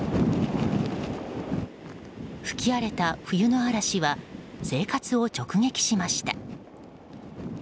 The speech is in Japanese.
吹き荒れた冬の嵐は生活を直撃しました。